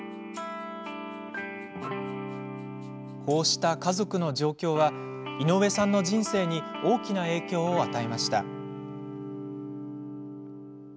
こうした家族の状況は井上さんの人生に大きな影響を与えました。